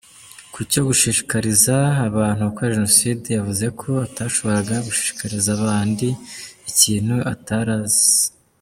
Ku cyo gushishikariza abantu gukora Jenoside yavuze ko atashoboraga gushishikariza abandi ikintu atari azi.